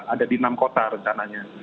ada di enam kota rencananya